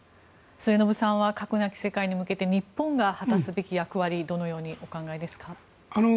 末延さんは核なき世界に向けて日本が果たすべき役割どうお考えですか？